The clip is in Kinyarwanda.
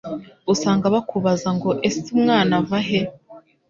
usanga bakubaza ngo ese umwana ava he